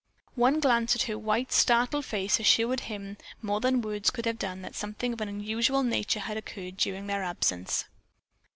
One glance at her white, startled face assured him more than words could have done that something of an unusual nature had occurred during their absence.